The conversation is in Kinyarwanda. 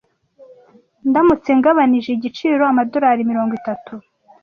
ndamutse ngabanije igiciro amadolari mirongo itatu.